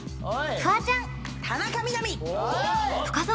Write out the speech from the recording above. フワちゃん田中みな実深澤